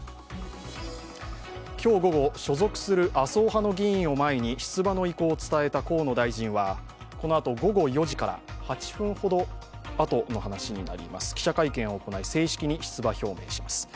今日午後、所属する麻生派の議員を前に出馬の意向を伝えた河野大臣はこのあと午後４時から、８分ほどあとになりますが記者会見を行い、正式に出馬表明します。